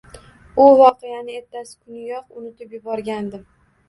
U voqeani ertasi kuniyoq unutib yuborgandim.